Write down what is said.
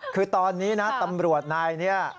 คือตอนนี้นะตำรวจนายนี้